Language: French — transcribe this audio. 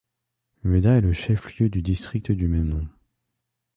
Mueda est le chef-lieu du district du même nom.